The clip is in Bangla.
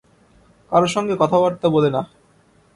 কারো সঙ্গে কথাবার্তা বলে না।